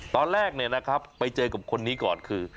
ตอนแรกไปเจอกับคนนี้ก่อนคือ